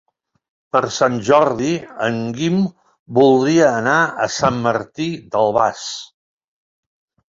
Per Sant Jordi en Guim voldria anar a Sant Martí d'Albars.